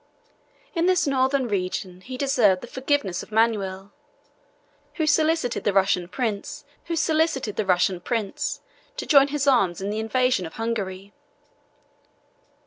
In this northern region he deserved the forgiveness of Manuel, who solicited the Russian prince to join his arms in the invasion of Hungary.